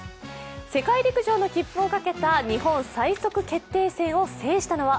世界陸上の切符をかけた日本最速決定戦を制したのは？